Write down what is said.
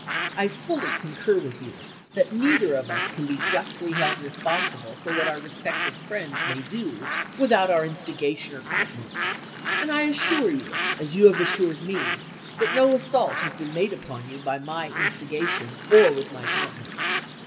I fully concur with you that neither of us can be justly held responsible for what our respective friends may do wdthout our instigation or countenance ; and I assure you, as you have assured me, that no assault has been made upon you by my instiga tion or with my countenance.